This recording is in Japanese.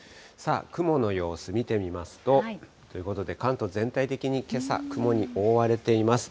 雲の様子見てみますと、ということで、関東、全体的にけさ、雲に覆われています。